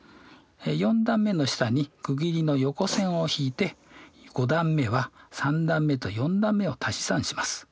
４段目の下に区切りの横線を引いて５段目は３段目と４段目を足し算します。